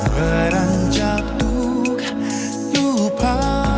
beranjat tuk lupa